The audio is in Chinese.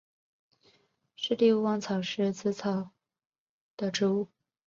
湿地勿忘草是紫草科勿忘草属的植物。